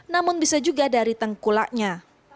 namun bisa juga dari tengkulaknya